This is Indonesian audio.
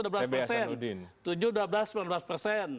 saya biasa nudin